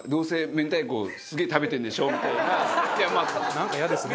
なんかイヤですね。